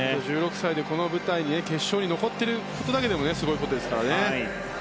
１６歳でこの舞台の決勝に残っているだけでもすごいことですからね。